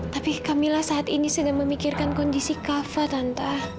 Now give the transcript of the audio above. tapi kamila saat ini sedang memikirkan kondisi kava tante